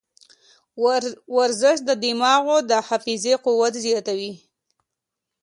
ورزش د دماغو د حافظې قوت زیاتوي.